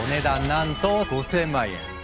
なんと５，０００万円。